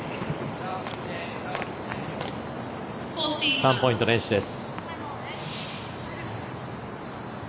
３ポイント連取です。